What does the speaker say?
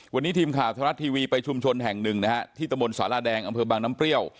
วันนี้ทีมข่าวธรรมรัฐทีวีไปชุมชนแห่งหนึ่งนะฮะที่ตะบนสาราแดงอำเภอบางน้ำเปรี้ยว